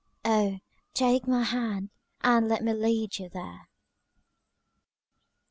Oh, take my hand and let me lead you there.